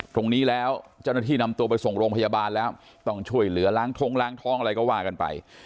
ตรงนี้แล้วเจ้าหน้าที่นำตัวไปส่งโรงพยาบาลแล้วต้องช่วยเหลือล้างท้องล้างท้องอะไรก็ว่ากันไป